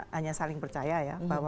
hanya saling percaya ya bahwa